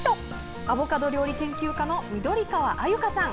アボカド料理研究家の緑川鮎香さん。